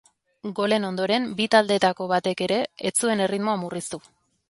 Golen ondoren bi taldeetako batek ere ez zuen erritmoa murriztu.